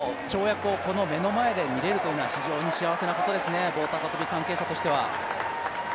しかし、そういった異次元の跳躍をこの目の前で見れるというのは非常に幸せなことですね、棒高跳関係者としては。